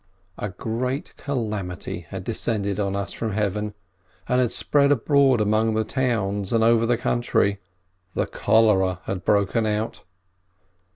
A great calamity had descended on us from Heaven, and had spread abroad among the towns and over the country : the cholera had broken out.